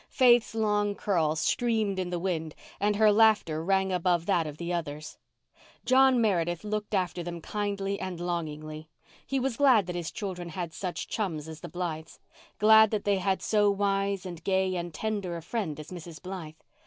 Faith's long curls streamed in the wind and her laughter rang above that of the others. John Meredith looked after them kindly and longingly. He was glad that his children had such chums as the Blythes—glad that they had so wise and gay and tender a friend as Mrs. Blythe.